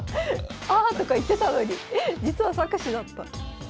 「あ！」とか言ってたのに実は策士だった。